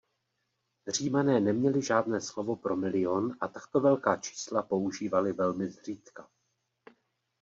Římané neměli žádné slovo pro milión a takto velká čísla používali velmi zřídka.